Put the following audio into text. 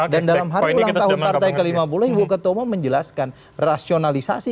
dan dalam hari ulang tahun partai ke lima puluh ibu ketomo menjelaskan rasionalisasi